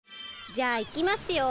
じゃあいきますよ！